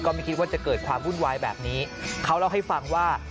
ไม่คิดว่าจะเกิดความวุ่นวายแบบนี้เขาเล่าให้ฟังว่า